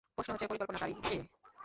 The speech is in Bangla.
প্রশ্ন হচ্ছে পরিকল্পনাকারী কে?